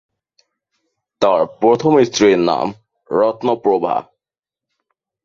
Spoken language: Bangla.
তার প্রথম স্ত্রীর নাম রত্ন প্রভা।